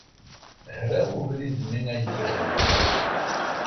Hraw ubrid-nni agejdan.